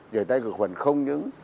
rửa tay khởi khuẩn không những